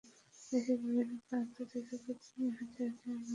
দেশের বিভিন্ন প্রান্ত থেকে প্রতিদিন হাজার হাজার মানুষ সোনারগাঁ ভ্রমণে আসে।